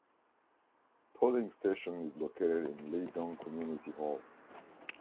Polling station is located in Lidong Community Hall.